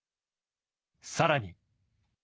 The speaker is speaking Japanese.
さらに。